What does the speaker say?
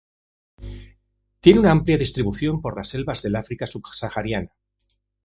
Tiene una amplia distribución por las selvas del África subsahariana.